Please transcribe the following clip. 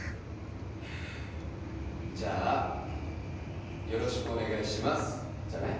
じゃあ、よろしくお願いしますじゃない。